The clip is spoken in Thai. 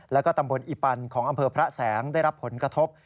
แล้วก็ตำบลอีปันของอำเภอพระแสงได้รับผลกระทบ